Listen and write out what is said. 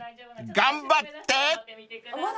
頑張って］